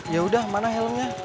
yaudah mana helmnya